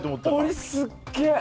俺、すっげえ！